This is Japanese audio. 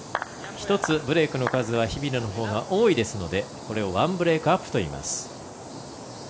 １つ、ブレークの数は日比野のほうが多いのでこれを１ブレークアップといいます。